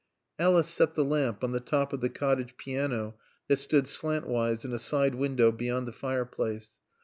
Alice set the lamp on the top of the cottage piano that stood slantwise in a side window beyond the fireplace.